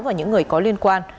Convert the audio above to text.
và những người có liên quan